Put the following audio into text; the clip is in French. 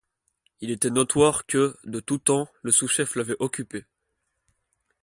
Il était notoire que, de tous temps, le sous-chef l'avait occupé.